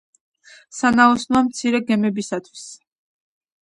სანაოსნოა მცირე გემებისათვის.